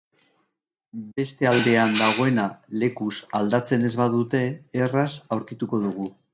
Beste aldean dagoena lekuz aldatzen ez badute erraz aurkituko dugu.